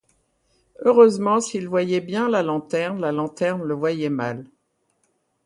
Heureusement, s'il voyait bien la lanterne, la lanterne le voyait mal.